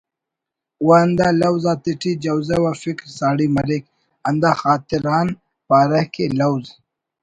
و ہندا لوز آتیٹی جوزہ و فکر ساڑی مریک ہندا خاطر آن پارہ کہ لوز